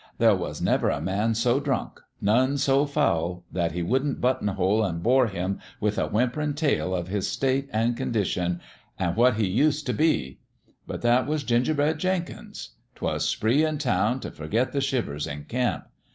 There was never a man so drunk none so foul that he wouldn't but tonhole an' bore him with a whimperin' tale of his state an' condition an 1 what he used t' be. But that was Gingerbread Jenkins. 'Twas spree in town t' forget the shivers in camp.